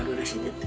って。